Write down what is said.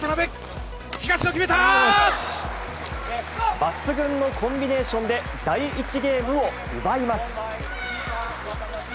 抜群のコンビネーションで、第１ゲームを奪います。